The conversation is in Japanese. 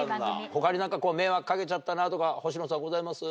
他に何か迷惑かけちゃったなとか星野さんございます？